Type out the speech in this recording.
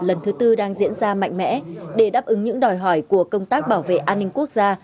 lần thứ tư đang diễn ra mạnh mẽ để đáp ứng những đòi hỏi của công tác bảo vệ an ninh quốc gia